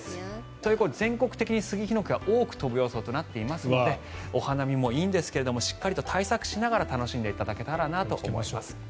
ということで全国的にヒノキ花粉が飛ぶ予想となっていますのでお花見もいいんですがしっかりと対策しながら楽しんでいただけたらなと思います。